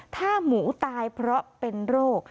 ถ้าหมูตายเพราะเป็นโรค